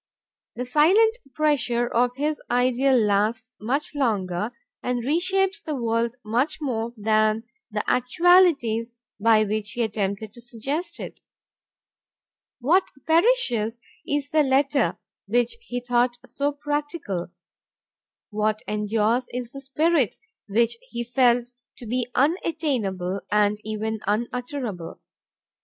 The silent pressure of his ideal lasts much longer and reshapes the world much more than the actualities by which he attempted to suggest it. What perishes is the letter, which he thought so practical. What endures is the spirit, which he felt to be unattainable and even unutterable.